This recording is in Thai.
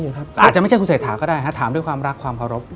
อาจจะไม่ใช่คุณเศรษฐาก็ได้ถามด้วยความรักความเคารพ